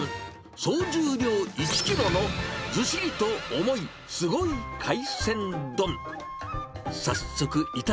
総重量１キロの、ずしりと重いすごい海鮮丼。